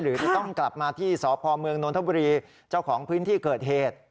หรือจะต้องกลับมาที่สพเมืองนทบุรีเจ้าของพื้นที่เกิดเหตุ